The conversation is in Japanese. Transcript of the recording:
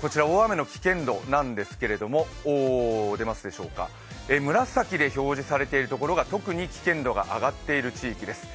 こちら大雨の危険度なんですけれども、紫で表示されているところが特に危険度が上がっている地域です。